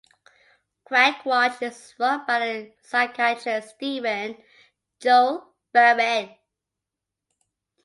Quackwatch is run by the psychiatrist Stephen Joel Barrett.